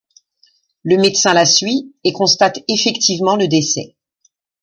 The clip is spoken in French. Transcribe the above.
Le médecin la suit, et constate effectivement le décès.